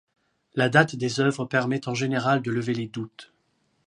La date des œuvres permet en général de lever les doutes.